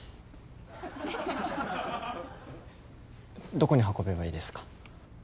どこに運べばいいですか？